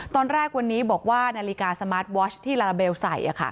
ตอนแรกวันนี้บอกว่านาฬิกาสมาร์ทวอชที่ลาลาเบลใส่